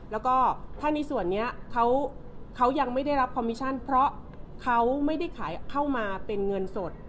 แล้วก็ถ้าในส่วนนี้เขายังไม่ได้รับคอมมิชั่นเพราะเขาไม่ได้ขายเข้ามาเป็นเงินสด